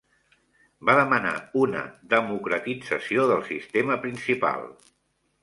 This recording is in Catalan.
Va demanar una democratització del sistema principal.